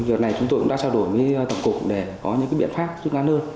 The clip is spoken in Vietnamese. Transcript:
việc này chúng tôi cũng đã trao đổi với tổng cục để có những cái biện pháp giúp đỡ nơi